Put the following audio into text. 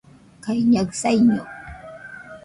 kaiñaɨ saiño